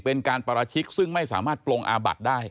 เป็นการปราชิกซึ่งไม่สามารถปลงอาบัติได้